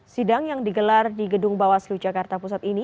sidang yang digelar di gedung bawaslu jakarta pusat ini